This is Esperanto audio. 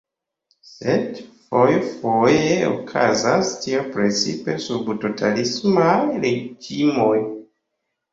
Sed fojfoje okazas tio precipe sub totalismaj reĝimoj.